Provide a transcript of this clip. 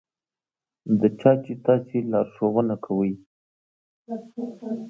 د چا چې تاسې لارښوونه کوئ.